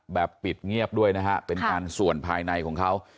ปิดเงียบด้วยนะฮะเป็นการส่วนภายในของเขา